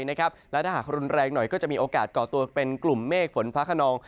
และถ้าหากรุนแรงหน่อยก็จะมีโอกาสก่อตัวเป็นกลุ่มเมฆฝนฟ้าขนอง